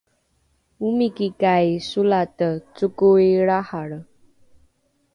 omikikai solate cokoi lrahalre?